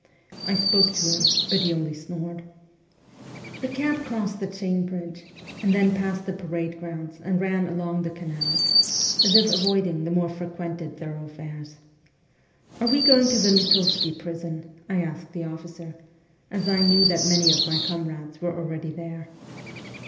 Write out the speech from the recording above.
I spoke to him, but he only snored. The cab crossed the Chain Bridge, then passed the parade grounds and ran along the canals, as if avoiding the more frequented thoroughfares. ' Are we going to the Litovsky prison ?' I asked the officer, as I knew that many of my comrades were already there.